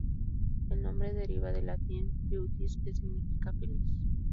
El nombre deriva del latín "beatus", que significa "feliz".